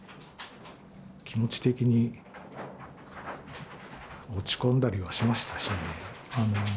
気持ち的に落ち込んだりはしましたしね。